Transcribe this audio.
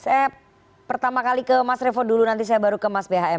saya pertama kali ke mas revo dulu nanti saya baru ke mas bhm